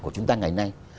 của chúng ta ngày nay